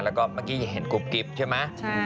และก็เมื่อกี้เห็นกรุ๊บกริฟท์ใช่มะ